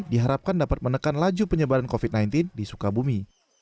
diharapkan dapat menekan laju penyebaran covid sembilan belas di sukabumi